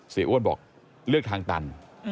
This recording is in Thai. อ้วนบอกเลือกทางตัน